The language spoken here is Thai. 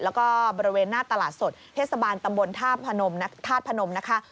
แล้วก็บริเวณหน้าตลาดสดเทศบาลตำบลทาสพนมนะคะ